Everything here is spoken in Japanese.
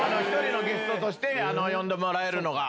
ゲストとして呼んでもらえるのが。